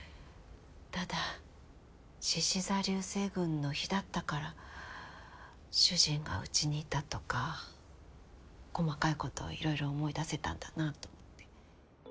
ただ獅子座流星群の日だったから主人がうちにいたとか細かいことをいろいろ思い出せたんだなと思って。